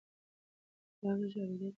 ملا غږ اورېدلی دی.